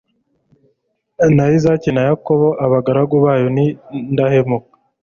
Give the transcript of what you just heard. na izaki, na yakobo, abagaragu bayo b'indahemuka